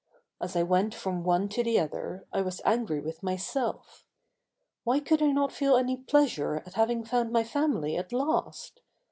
As I went from one to the other I was angry with myself. Why could I not feel any pleasure at having found my family at last.